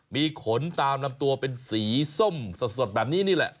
มีขนตามลำตัวเป็นสีส้มสดแบบนี้นี่แหละ